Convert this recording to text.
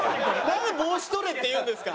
なんで帽子取れって言うんですか？